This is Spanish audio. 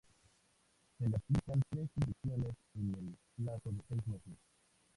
Se les aplican tres inyecciones en el plazo de seis meses.